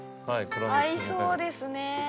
合いそうですね